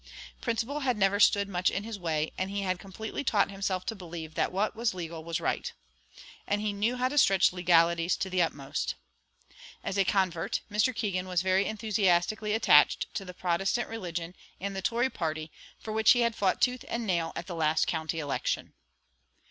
Principle had never stood much in his way, and he had completely taught himself to believe that what was legal was right; and he knew how to stretch legalities to the utmost. As a convert, Mr. Keegan was very enthusiastically attached to the Protestant religion and the Tory party, for which he had fought tooth and nail at the last county election.